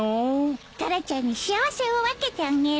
タラちゃんに幸せを分けてあげる。